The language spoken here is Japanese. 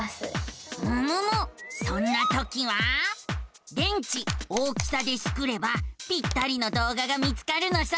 そんなときは「電池大きさ」でスクればぴったりの動画が見つかるのさ。